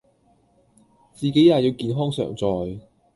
自己也要健康常在